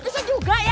bisa juga ya